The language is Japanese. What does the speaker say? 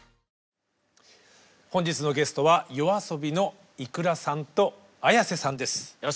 本日のゲストはＹＯＡＳＯＢＩのｉｋｕｒａさんとＡｙａｓｅさんです。